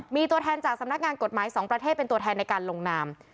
มีตัวแทนจากสำนักงานกฎหมาย๒ประเทศเป็นตัวแทนในการลงนาม